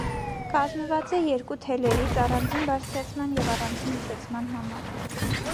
Կազմված է երկու թելերից, առանձին բարձրացման և առանձին իջեցման համար։